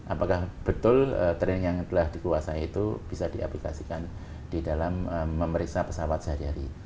apakah betul train yang telah dikuasai itu bisa diaplikasikan di dalam memeriksa pesawat sehari hari